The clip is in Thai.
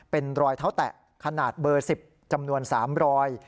เป็นรอยเท้าแตะขนาดเบอร์๑๐จำนวน๓รอย